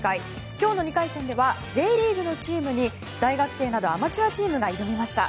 今日の２回戦ではＪリーグのチームに大学生などアマチュアチームが挑みました。